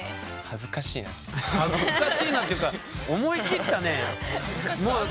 恥ずかしいなっていうか思い切ったね。